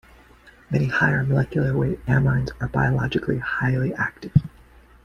Many higher molecular weight amines are, biologically, highly active.